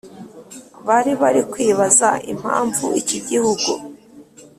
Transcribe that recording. bari bari kwibaza impamvu iki gihugu